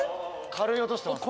「軽い音してます」